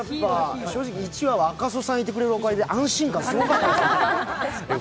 正直、１話は赤楚さんがいてくれるおかげで安心感でしたよ。